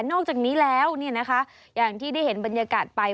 นอกจากนี้แล้วอย่างที่ได้เห็นบรรยากาศไป